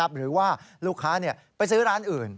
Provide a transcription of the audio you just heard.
หรือว่าลูกค้าไปซื้อร้านอื่น